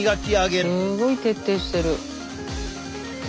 すごい徹底してる。